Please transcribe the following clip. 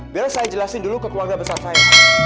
biar saya jelasin dulu ke keluarga besar saya